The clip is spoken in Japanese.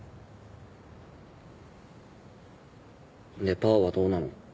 でパーはどうなの？